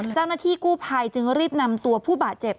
เจ้าหน้าที่กู้ภัยจึงรีบนำตัวผู้บาดเจ็บ